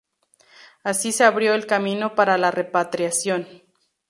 Así se abrió el camino para la repatriación.